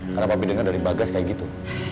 karena papi denger dari bagas kayak gitu